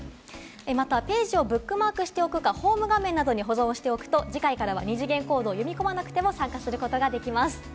またページをブックマークするか、ホーム画面に保存しておくと、次回から二次元コードを読み込まなくても参加することができます。